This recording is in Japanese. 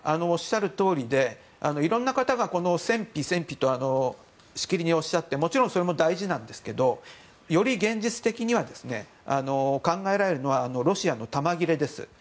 おっしゃるとおりでいろんな方が戦費、戦費としきりにおっしゃってもちろんそれも大事なんですがより現実的に考えられるのはロシアの弾切れです。